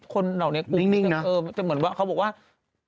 คนเหล่านี้กลุ่มที่เออมันเป็นเหมือนว่าเขาบุว่านิ่งนะ